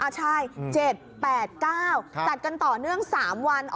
ใช่๗๘๙จัดกันต่อเนื่อง๓วัน